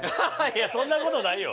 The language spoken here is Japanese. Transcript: いやそんな事ないよ！